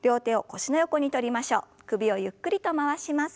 首をゆっくりと回します。